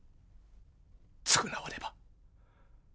償わねば。